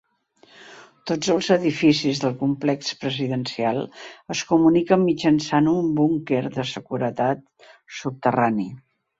Tots els edificis del complex presidencial es comuniquen mitjançant un búnquer de seguretat subterrani.